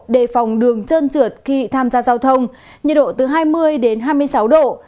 đề phòng đường trơn trượt khi tham gia giao thông nhiệt độ từ hai mươi hai mươi sáu độ